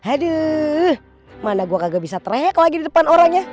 aduh mana gue kagak bisa trayek lagi di depan orangnya